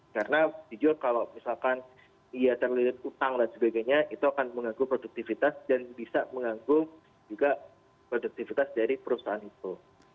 karena jujur kalau misalkan ia terlalu utang dan sebagainya itu akan menganggung produktivitas dan bisa menganggung juga produktivitas dari perusahaan itu